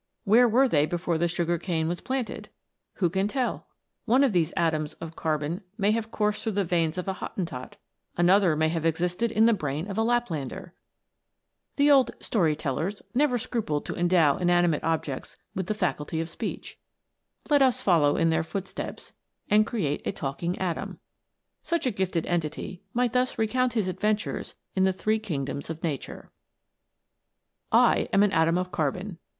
Where were they before the sugar cane was planted 1 Who can tell 1 One of these atoms of carbon may have coursed through the veins of a Hottentot, another may have existed in the brain of a Laplander ! The old story tellers never scrupled to endow inanimate objects with the faculty of speech. Let us follow in their footsteps, and create a talking atom. Such a gifted entity might thus recount his adventures in the three kingdoms of nature :" I am an atom of carbon.